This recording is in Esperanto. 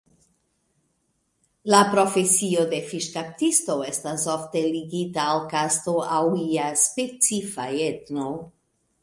La profesio de fiŝkaptisto estas ofte ligita al kasto aŭ iu specifa etno.